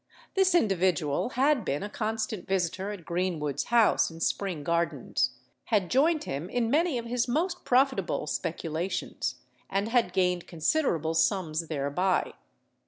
This individual had been a constant visitor at Greenwood's house in Spring Gardens—had joined him in many of his most profitable speculations—and had gained considerable sums thereby.